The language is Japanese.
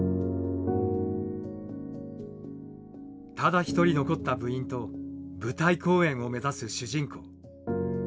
ただ一人残った部員と舞台公演を目指す主人公。